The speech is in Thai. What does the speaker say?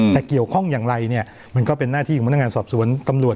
แต่เกี่ยวข้องอย่างไรเนี่ยมันก็เป็นหน้าที่ของพนักงานสอบสวนตำรวจ